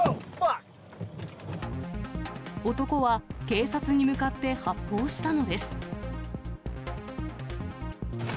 男は警察に向かって発砲したのです。